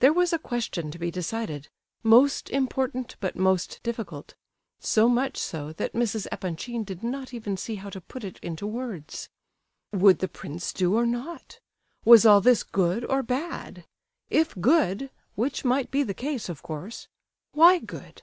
There was a question to be decided—most important, but most difficult; so much so, that Mrs. Epanchin did not even see how to put it into words. Would the prince do or not? Was all this good or bad? If good (which might be the case, of course), why good?